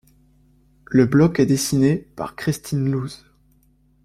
Le bloc est dessiné par Christine Louze.